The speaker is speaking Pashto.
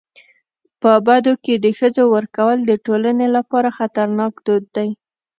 په بدو کي د ښځو ورکول د ټولني لپاره خطرناک دود دی.